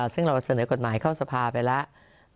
ซึ่งเราเสนอกฎหมายเข้าสภาไปแล้ว